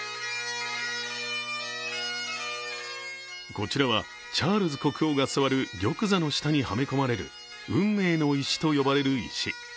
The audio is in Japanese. こちらはチャールズ国王が座る玉座の下にはめ込まれる運命の石と呼ばれる石。